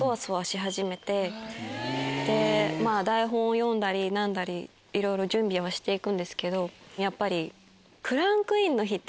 でまぁ台本を読んだり何だりいろいろ準備をして行くんですけどやっぱり。